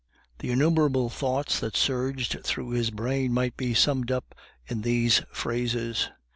The innumerable thoughts that surged through his brain might be summed up in these phrases.